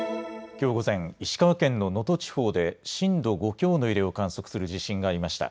きょう午前、石川県の能登地方で震度５強の揺れを観測する地震がありました。